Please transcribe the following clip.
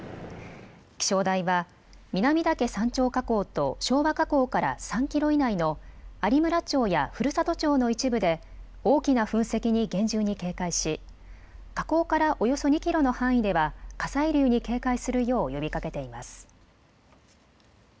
気象台は南岳山頂火口と昭和火口から３キロ以内の有村町や古里町の一部で大きな噴石に厳重に警戒し火口からおよそ２キロの範囲では火砕流に警戒するよう呼びかけています。